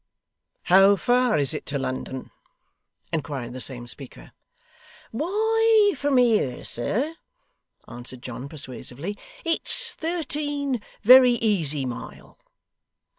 'How far is it to London?' inquired the same speaker. 'Why, from here, sir,' answered John, persuasively, 'it's thirteen very easy mile.